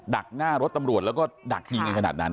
ักหน้ารถตำรวจแล้วก็ดักยิงกันขนาดนั้น